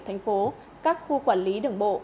thành phố các khu quản lý đường bộ